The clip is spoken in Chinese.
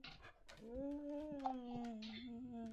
同年担任全国人大代表。